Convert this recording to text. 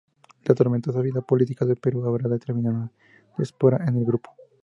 La tormentosa vida política del Perú habrá de determinar una diáspora en el grupo.